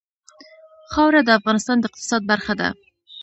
خاوره د افغانستان د اقتصاد برخه ده.